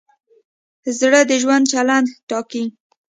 زړه د ژوند چلند ټاکي.